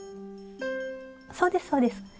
そうですそうです。